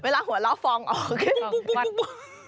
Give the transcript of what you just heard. เวลาหัวเราะฟองออกแค่ปุ๊ก